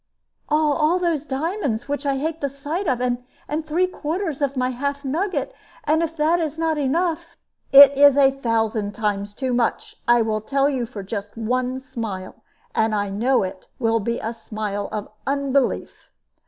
"All those diamonds, which I hate the sight of, and three quarters of my half nugget; and if that is not enough " "It is a thousand times too much; I will tell you for just one smile, and I know it, will be a smile of unbelief."